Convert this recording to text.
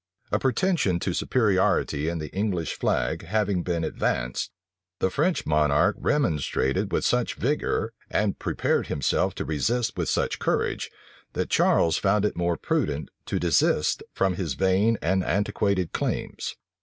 A pretension to superiority in the English flag having been advanced, the French monarch remonstrated with such vigor, and prepared himself to resist with such courage, that Charles found it more prudent to desist from his vain and antiquated claims.